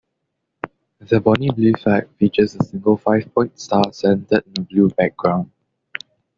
The Bonnie Blue flag features a single five-point star centered in a blue background.